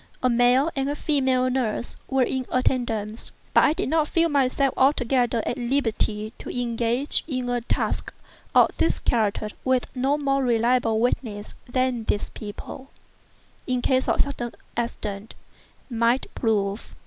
A male and a female nurse were in attendance; but I did not feel myself altogether at liberty to engage in a task of this character with no more reliable witnesses than these people, in case of sudden accident, might prove.